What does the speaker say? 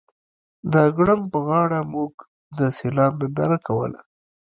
د ګړنګ په غاړه موږ د سیلاب ننداره کوله